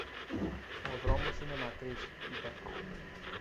Ο δρόμος είναι μακρύς, είπε.